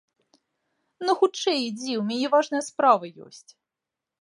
Ну, хутчэй ідзі, у мяне важная справа ёсць!